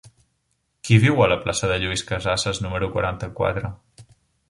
Qui viu a la plaça de Lluís Casassas número quaranta-quatre?